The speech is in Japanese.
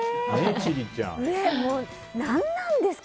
何なんですか！